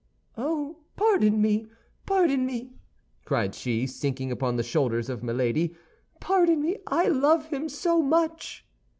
"Oh, pardon me, pardon me!" cried she, sinking upon the shoulders of Milady. "Pardon me, I love him so much!"